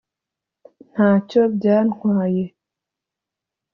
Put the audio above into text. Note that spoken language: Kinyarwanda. ntacyo byantwaye